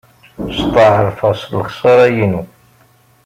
Steɛṛfeɣ s lexṣara-inu.